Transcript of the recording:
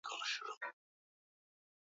kwa kuwa kimeboresha maisha ya wananchi wengi